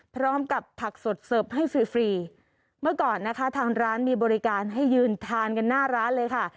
พร้อมกับผักสดเสิร์ฟให้ฟรีฟรีเมื่อก่อนนะคะทางร้านมีบริการให้ยืนทานกันหน้าร้านเลยค่ะ